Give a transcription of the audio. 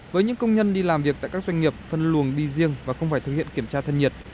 với những công nhân đi làm việc tại các doanh nghiệp phân luồng đi riêng và không phải thực hiện kiểm tra thân nhiệt